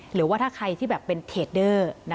หรือว่าถ้าใครที่แบบเป็นเทรดเดอร์